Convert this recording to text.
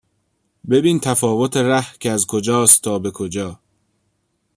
ببین تفاوت ره کز کجاست تا به کجا